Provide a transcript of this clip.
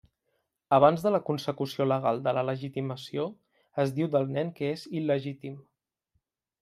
Abans de la consecució legal de la legitimació es diu del nen que és il·legítim.